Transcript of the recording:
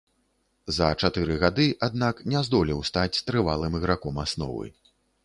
За чатыры гады, аднак, не здолеў стаць трывалым іграком асновы.